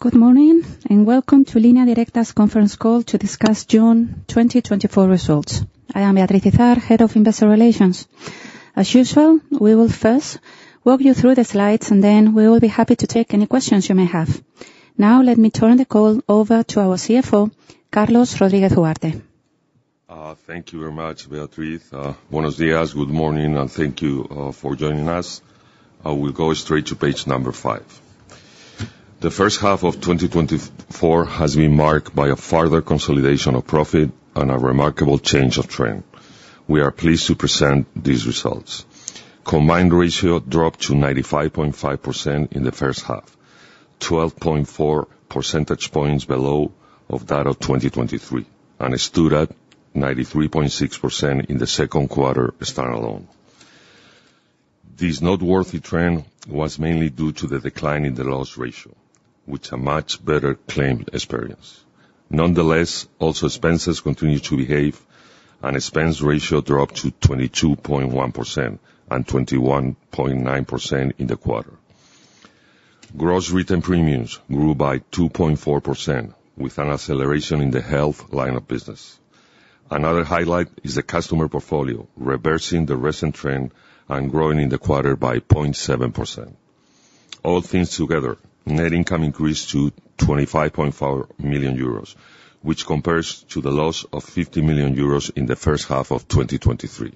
Good morning, and welcome to Línea Directa's conference call to discuss June 2024 results. I am Beatriz Izard, Head of Investor Relations. As usual, we will first walk you through the slides, and then we will be happy to take any questions you may have. Now, let me turn the call over to our CFO, Carlos Rodríguez. Thank you very much, Beatriz. Buenos días, good morning, and thank you for joining us. I will go straight to page number 5. The first half of 2024 has been marked by a further consolidation of profit and a remarkable change of trend. We are pleased to present these results. Combined ratio dropped to 95.5% in the first half, 12.4 percentage points below that of 2023, and it stood at 93.6% in the second quarter standalone. This noteworthy trend was mainly due to the decline in the loss ratio, with a much better claim experience. Nonetheless, also expenses continued to behave and expense ratio dropped to 22.1% and 21.9% in the quarter. Gross written premiums grew by 2.4%, with an acceleration in the health line of business. Another highlight is the customer portfolio, reversing the recent trend and growing in the quarter by 0.7%. All things together, net income increased to 25.4 million euros, which compares to the loss of 50 million euros in the first half of 2023.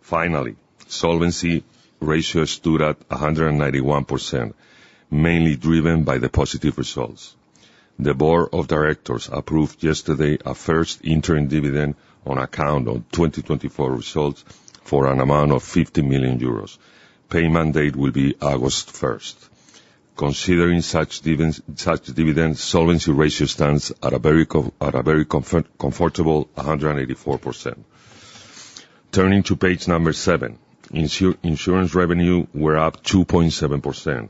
Finally, solvency ratio stood at 191%, mainly driven by the positive results. The board of directors approved yesterday a first interim dividend on account of 2024 results for an amount of 50 million euros. Payment date will be August 1. Considering such dividend, solvency ratio stands at a very comfortable 184%. Turning to page 7, insurance revenue were up 2.7%,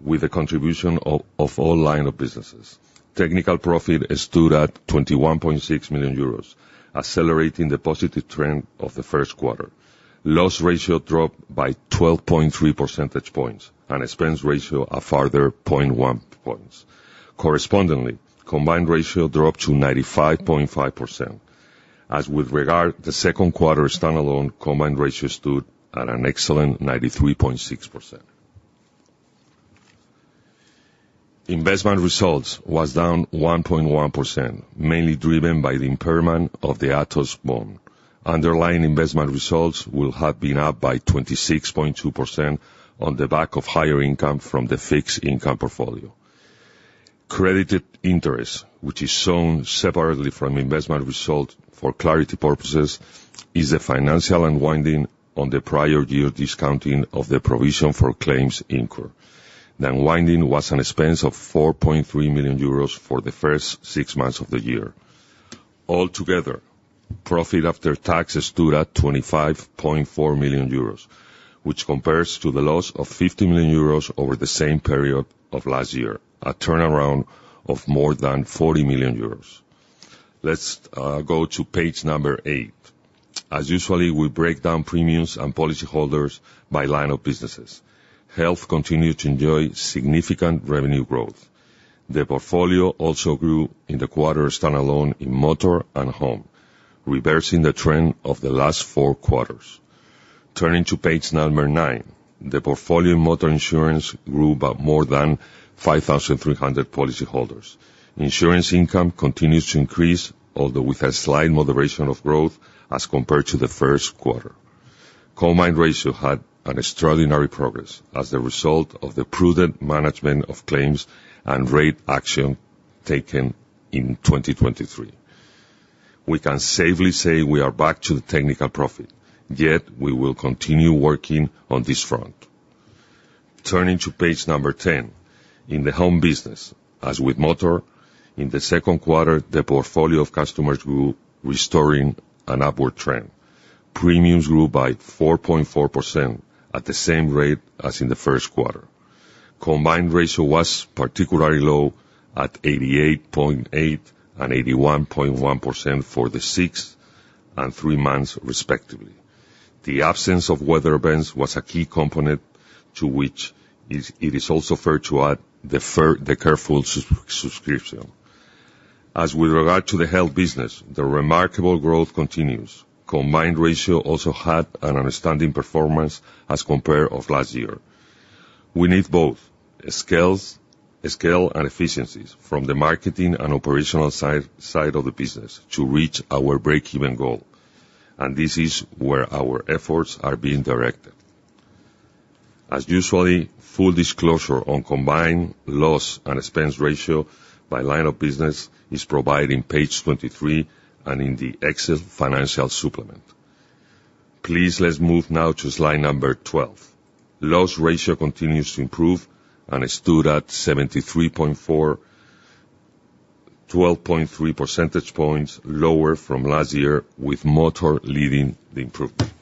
with a contribution of all lines of business. Technical profit stood at 21.6 million euros, accelerating the positive trend of the first quarter. Loss ratio dropped by 12.3 percentage points, and expense ratio a further 0.1 points. Correspondingly, combined ratio dropped to 95.5%. As with regard, the second quarter standalone combined ratio stood at an excellent 93.6%. Investment results was down 1.1%, mainly driven by the impairment of the Atos bond. Underlying investment results will have been up by 26.2% on the back of higher income from the fixed income portfolio. Credited interest, which is shown separately from investment result for clarity purposes, is the financial unwinding on the prior year discounting of the provision for claims incurred. The unwinding was an expense of 4.3 million euros for the first six months of the year. Altogether, profit after taxes stood at 25.4 million euros, which compares to the loss of 50 million euros over the same period of last year, a turnaround of more than 40 million euros. Let's go to page 8. As usual, we break down premiums and policyholders by lines of business. Health continued to enjoy significant revenue growth. The portfolio also grew in the quarter, standalone in motor and home, reversing the trend of the last four quarters. Turning to page 9, the motor insurance portfolio grew by more than 5,300 policyholders. Insurance income continues to increase, although with a slight moderation of growth as compared to the first quarter. Combined ratio had an extraordinary progress as a result of the prudent management of claims and rate action taken in 2023. We can safely say we are back to the technical profit, yet we will continue working on this front. Turning to page 10. In the home business, as with motor, in the second quarter, the portfolio of customers grew, restoring an upward trend. Premiums grew by 4.4% at the same rate as in the first quarter. Combined ratio was particularly low at 88.8% and 81.1% for the six and three months, respectively. The absence of weather events was a key component to which it is also fair to add the careful subscription. As with regard to the health business, the remarkable growth continues. Combined ratio also had an outstanding performance as compared to last year. We need both, scales, scale and efficiencies from the marketing and operational side, side of the business to reach our breakeven goal, and this is where our efforts are being directed. As usual, full disclosure on combined loss and expense ratio by line of business is provided in page 23 and in the Excel financial supplement. Please, let's move now to slide number 12. Loss ratio continues to improve and it stood at 73.4, 12.3 percentage points lower from last year, with motor leading the improvement.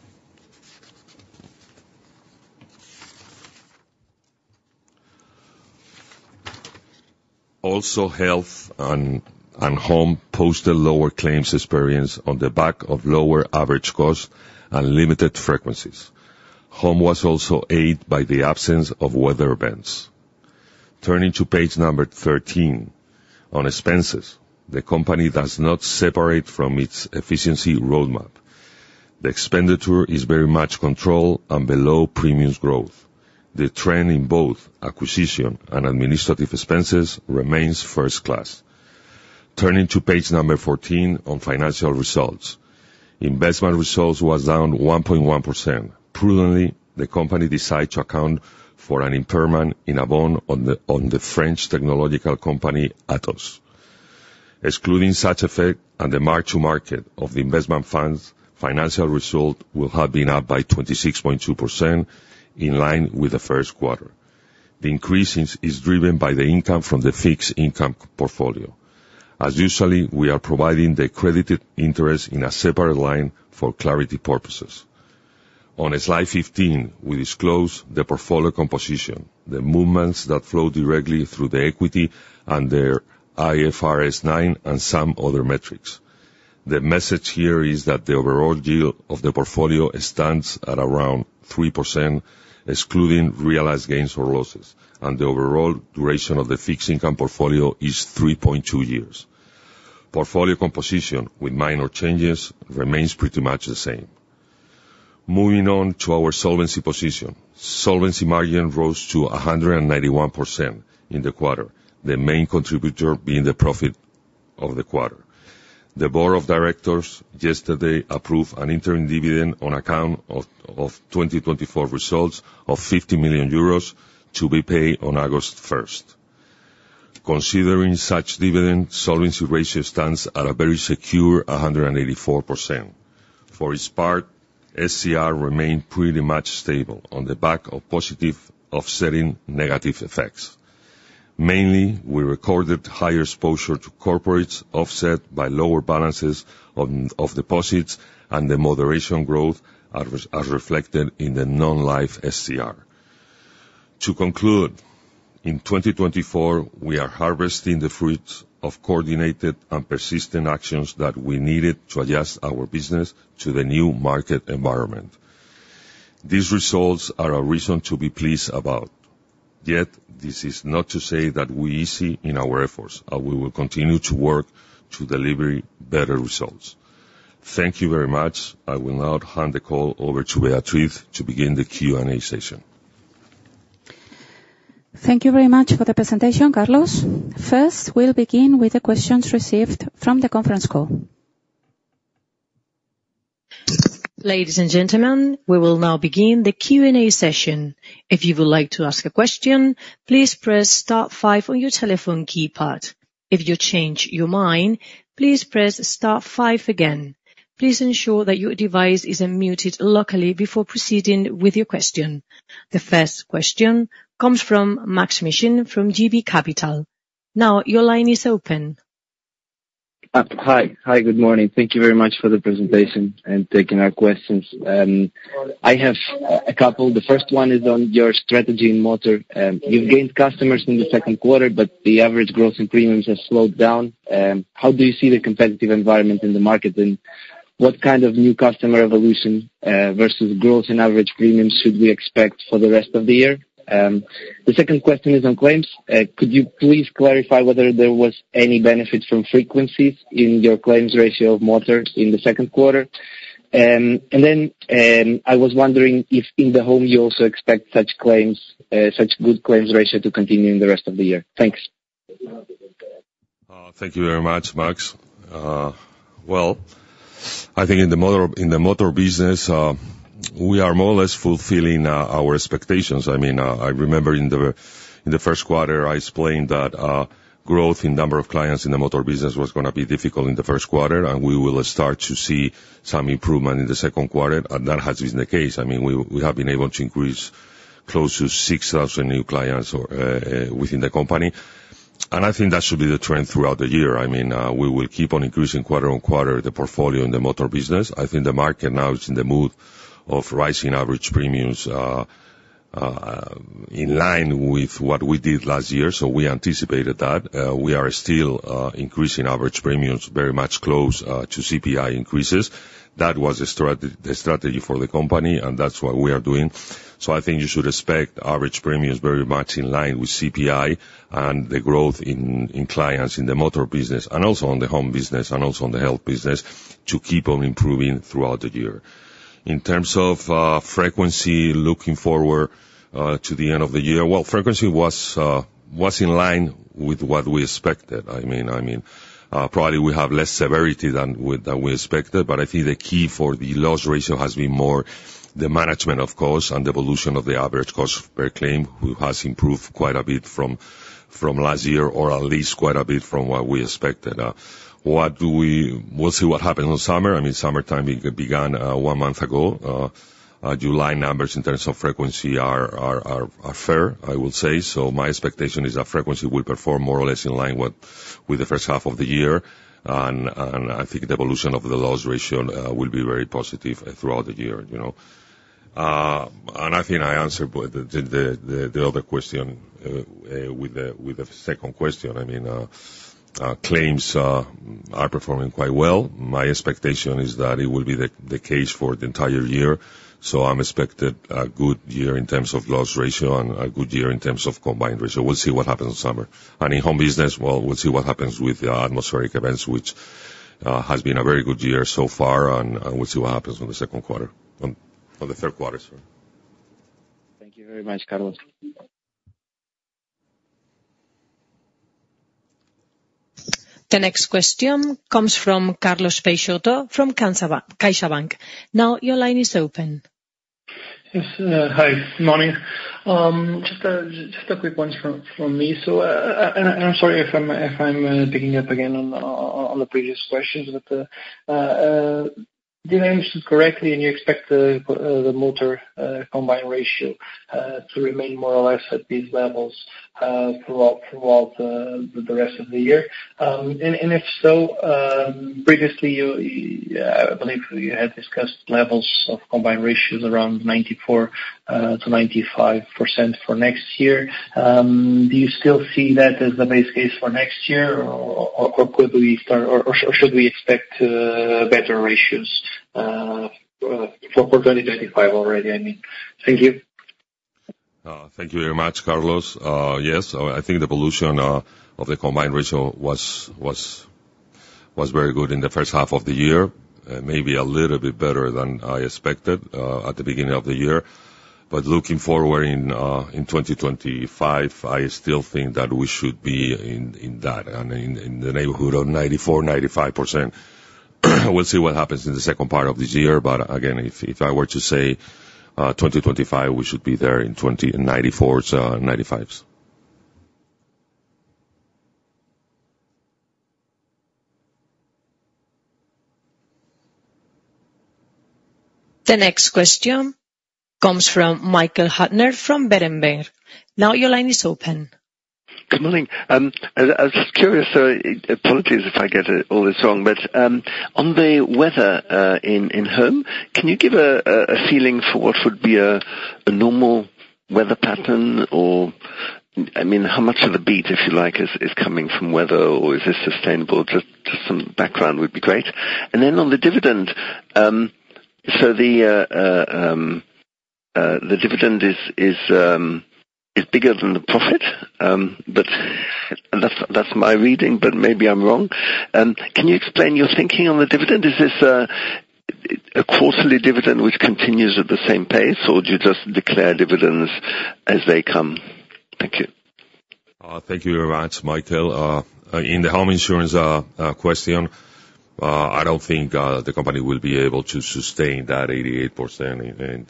Also, health and, and home posted lower claims experience on the back of lower average cost and limited frequencies. Home was also aided by the absence of weather events. Turning to page number 13, on expenses, the company does not separate from its efficiency roadmap. The expenditure is very much controlled and below previous growth. The trend in both acquisition and administrative expenses remains first class. Turning to page 14 on financial results. Investment results was down 1.1%. Prudently, the company decided to account for an impairment in a bond on the French technological company, Atos. Excluding such effect and the mark to market of the investment funds, financial result will have been up by 26.2% in line with the first quarter. The increase is driven by the income from the fixed income portfolio. As usually, we are providing the credited interest in a separate line for clarity purposes. On slide 15, we disclose the portfolio composition, the movements that flow directly through the equity and their IFRS 9 and some other metrics. The message here is that the overall yield of the portfolio stands at around 3%, excluding realized gains or losses, and the overall duration of the fixed income portfolio is 3.2 years. Portfolio composition with minor changes remains pretty much the same. Moving on to our solvency position. Solvency margin rose to 191% in the quarter, the main contributor being the profit of the quarter. The board of directors yesterday approved an interim dividend on account of 2024 results of 50 million euros to be paid on August 1. Considering such dividend, solvency ratio stands at a very secure 184%. For its part, SCR remained pretty much stable on the back of positive offsetting negative effects. Mainly, we recorded higher exposure to corporates, offset by lower balances on, of deposits and the moderation growth are, as reflected in the non-life SCR. To conclude, in 2024, we are harvesting the fruits of coordinated and persistent actions that we needed to adjust our business to the new market environment. These results are a reason to be pleased about, yet this is not to say that we easy in our efforts, and we will continue to work to deliver better results. Thank you very much. I will now hand the call over to Beatriz to begin the Q&A session. Thank you very much for the presentation, Carlos. First, we'll begin with the questions received from the conference call. Ladies and gentlemen, we will now begin the Q&A session. If you would like to ask a question, please press star five on your telephone keypad. If you change your mind, please press star five again. Please ensure that your device is unmuted locally before proceeding with your question. The first question comes from Maksym Mishyn from JB Capital Markets. Now your line is open. Hi. Hi, good morning. Thank you very much for the presentation and taking our questions. I have a couple. The first one is on your strategy in motor. You've gained customers in the second quarter, but the average growth in premiums has slowed down. How do you see the competitive environment in the market, and what kind of new customer evolution versus growth in average premiums should we expect for the rest of the year? The second question is on claims. Could you please clarify whether there was any benefit from frequencies in your claims ratio of motor in the second quarter? And then, I was wondering if in the home you also expect such claims, such good claims ratio to continue in the rest of the year. Thanks. Thank you very much, Max. Well, I think in the motor business, we are more or less fulfilling our expectations. I mean, I remember in the first quarter, I explained that growth in number of clients in the motor business was gonna be difficult in the first quarter, and we will start to see some improvement in the second quarter, and that has been the case. I mean, we have been able to increase close to 6,000 new clients or within the company, and I think that should be the trend throughout the year. I mean, we will keep on increasing quarter-over-quarter, the portfolio in the motor business. I think the market now is in the mood of rising average premiums, in line with what we did last year, so we anticipated that. We are still increasing average premiums very much close to CPI increases. That was the strategy for the company, and that's what we are doing. So I think you should expect average premiums very much in line with CPI and the growth in clients in the motor business, and also on the home business, and also on the health business, to keep on improving throughout the year. In terms of frequency, looking forward to the end of the year, well, frequency was in line with what we expected. I mean, probably we have less severity than we expected, but I think the key for the loss ratio has been more the management of cost and the evolution of the average cost per claim, who has improved quite a bit from last year, or at least quite a bit from what we expected. We'll see what happens on summer. I mean, summertime begun one month ago. July numbers in terms of frequency are fair, I will say. So my expectation is that frequency will perform more or less in line with the first half of the year. And I think the evolution of the loss ratio will be very positive throughout the year, you know? And I think I answered the other question with the second question. I mean, claims are performing quite well. My expectation is that it will be the case for the entire year, so I'm expected a good year in terms of loss ratio and a good year in terms of combined ratio. We'll see what happens in summer. And in home business, well, we'll see what happens with the atmospheric events, which has been a very good year so far, and we'll see what happens in the second quarter for the third quarter, sorry. Thank you very much, Carlos. The next question comes from Carlos Peixoto from CaixaBank. Now your line is open. Yes. Hi, good morning. Just a quick one from me. So, and I'm sorry if I'm picking up again on the previous questions, but, did I understand correctly, and you expect the motor combined ratio to remain more or less at these levels throughout the rest of the year? And if so, previously, you, I believe you had discussed levels of combined ratios around 94%-95% for next year. Do you still see that as the base case for next year, or should we expect better ratios for 2025 already, I mean? Thank you. Thank you very much, Carlos. Yes, I think the evolution of the combined ratio was very good in the first half of the year, maybe a little bit better than I expected at the beginning of the year. But looking forward in 2025, I still think that we should be in that, I mean, in the neighborhood of 94%-95%. We'll see what happens in the second part of this year, but again, if I were to say 2025, we should be there in 202... 94%s and 95%s. The next question comes from Michael Huttner from Berenberg. Now your line is open. Good morning. I was just curious, apologies if I get it all this wrong, but, on the weather, in home, can you give a feeling for what would be a normal weather pattern? Or, I mean, how much of the beat, if you like, is coming from weather, or is this sustainable? Just some background would be great. And then on the dividend, so the dividend is bigger than the profit, but that's my reading, but maybe I'm wrong. Can you explain your thinking on the dividend? Is this a quarterly dividend, which continues at the same pace, or do you just declare dividends as they come? Thank you. Thank you very much, Michael. In the home insurance question, I don't think the company will be able to sustain that 88%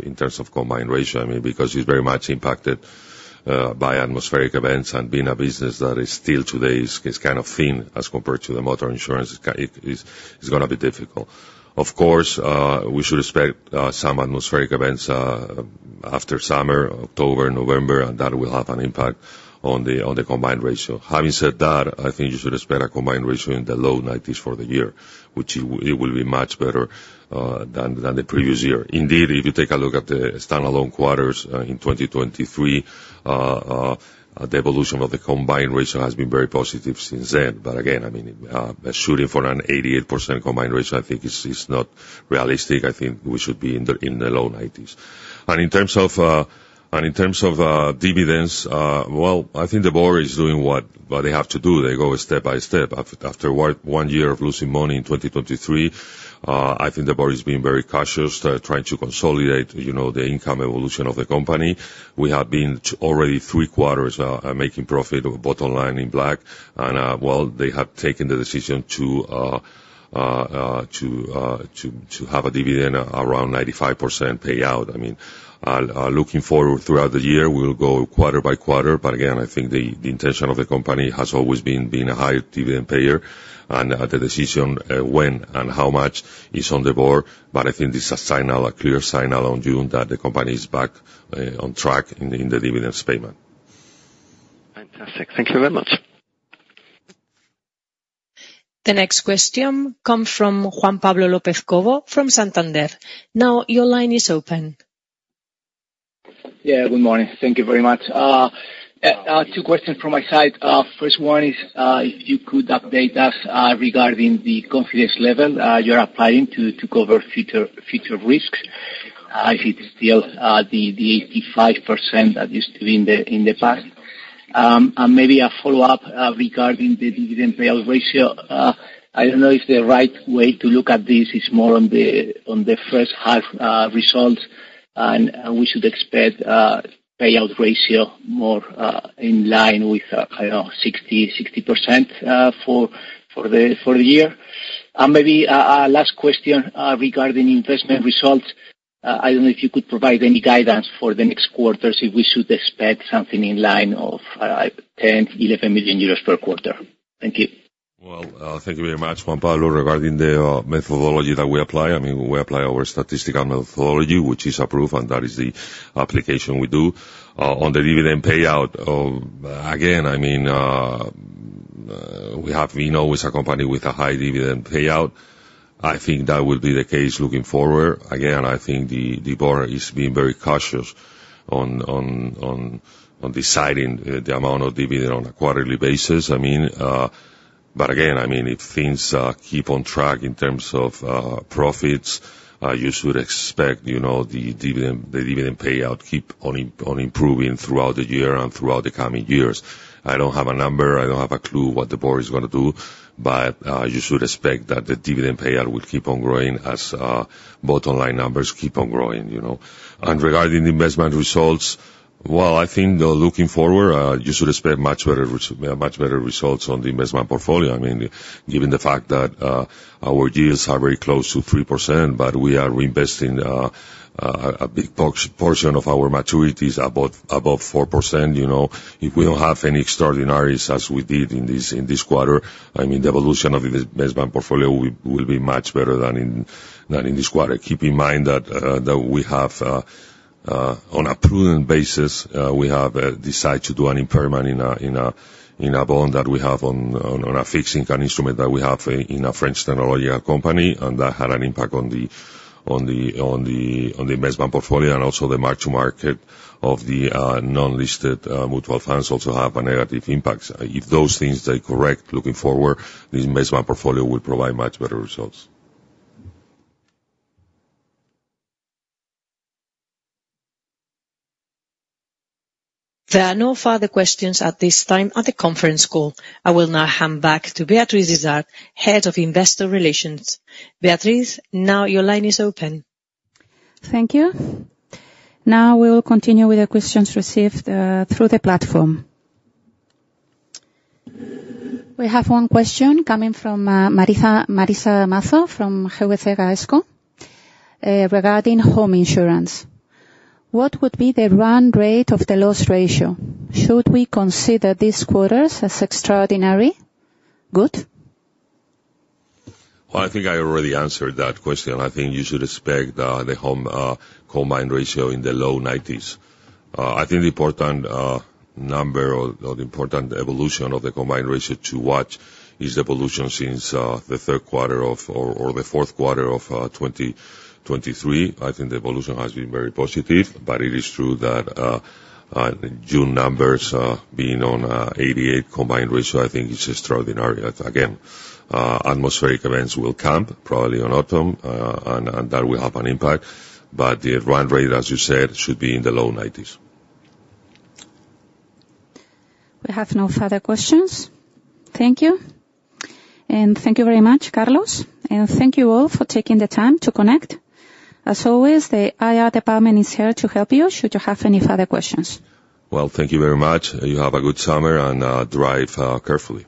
in terms of combined ratio. I mean, because it's very much impacted by atmospheric events, and being a business that is still today is kind of thin as compared to the Motor insurance, it is gonna be difficult. Of course, we should expect some atmospheric events after summer, October, November, and that will have an impact on the combined ratio. Having said that, I think you should expect a combined ratio in the low 90s for the year, which it will be much better than the previous year. Indeed, if you take a look at the standalone quarters in 2023, the evolution of the combined ratio has been very positive since then. But again, I mean, shooting for an 88% combined ratio, I think is not realistic. I think we should be in the low 90s. And in terms of dividends, well, I think the board is doing what they have to do. They go step by step. After one year of losing money in 2023, I think the board is being very cautious, trying to consolidate, you know, the income evolution of the company. We have been already three quarters making profit of bottom line in black, and well, they have taken the decision to have a dividend around 95% payout. I mean, looking forward throughout the year, we'll go quarter by quarter, but again, I think the intention of the company has always been being a higher dividend payer, and the decision when and how much is on the board. But I think this is a signal, a clear signal on June, that the company is back on track in the dividends payment. Fantastic. Thank you very much. The next question come from Juan Pablo López Cobo from Santander. Now your line is open. Yeah, good morning. Thank you very much. Two questions from my side. First one is, if you could update us regarding the confidence level you're applying to cover future, future risks, if it's still the 85% that used to be in the past. And maybe a follow-up regarding the dividend payout ratio. I don't know if the right way to look at this is more on the first half results, and we should expect payout ratio more in line with, I don't know, 60%, for the year. And maybe a last question regarding investment results. I don't know if you could provide any guidance for the next quarters, if we should expect something in line of 10 million-11 million euros per quarter. Thank you. Well, thank you very much, Juan Pablo. Regarding the methodology that we apply, I mean, we apply our statistical methodology, which is approved, and that is the application we do. On the dividend payout, again, I mean, we have, we know as a company with a high dividend payout, I think that will be the case looking forward. Again, I think the board is being very cautious on deciding the amount of dividend on a quarterly basis. I mean, but again, I mean, if things keep on track in terms of profits, you should expect, you know, the dividend payout keep on improving throughout the year and throughout the coming years. I don't have a number, I don't have a clue what the board is gonna do, but you should expect that the dividend payout will keep on growing as both online numbers keep on growing, you know? Regarding the investment results, well, I think that looking forward, you should expect much better results on the investment portfolio. I mean, given the fact that our yields are very close to 3%, but we are reinvesting a big portion of our maturities above 4%, you know. If we don't have any extraordinaries as we did in this quarter, I mean, the evolution of the investment portfolio will be much better than in this quarter. Keep in mind that we have, on a prudent basis, we have decided to do an impairment in a bond that we have on a fixed income instrument that we have in a French technology company, and that had an impact on the investment portfolio and also the mark to market of the non-listed mutual funds also have a negative impact. If those things stay correct, looking forward, the investment portfolio will provide much better results. There are no further questions at this time at the conference call. I will now hand back to Beatriz Izard, Head of Investor Relations. Beatriz, now your line is open. Thank you. Now we will continue with the questions received through the platform. We have one question coming from Marissa, Marisa Mazo from GVC Gaesco regarding home insurance. What would be the run rate of the loss ratio? Should we consider these quarters as extraordinary? Good? Well, I think I already answered that question. I think you should expect the home combined ratio in the low 90s. I think the important number or the important evolution of the combined ratio to watch is the evolution since the third quarter of or the fourth quarter of 2023. I think the evolution has been very positive, but it is true that June numbers being on 88 combined ratio is extraordinary. Again, atmospheric events will come, probably in autumn, and that will have an impact. But the run rate, as you said, should be in the low 90s. We have no further questions. Thank you. Thank you very much, Carlos, and thank you all for taking the time to connect. As always, the IR department is here to help you, should you have any further questions. Well, thank you very much. You have a good summer, and drive carefully.